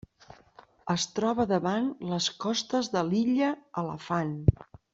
Es troba davant les costes de l'illa Elefant.